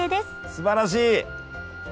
すばらしい！